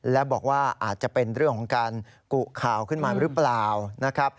และบอกว่าอาจจะเป็นเรื่องของการกุข่าวขึ้นมาหรือเปล่านะครับ